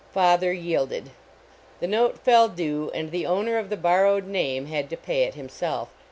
Father yielded; the note fell due, and the owner of the borrowed name had to pay it himself.